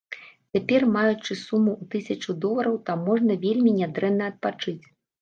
Цяпер маючы суму ў тысячу долараў там можна вельмі нядрэнна адпачыць.